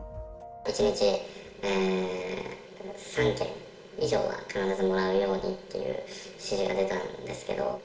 １日３件以上は必ずもらうようにっていう、指示が出たんですけど。